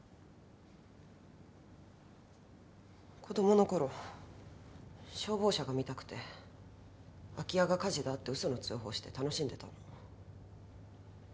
子供のころ消防車が見たくて空き家が火事だって嘘の通報して楽しんでたの。